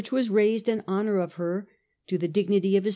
was raised, in honour of her, to the dignity of A.